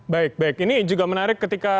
baik baik ini juga menarik ketika